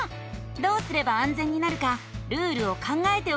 どうすればあんぜんになるかルールを考えておけばいいんだね。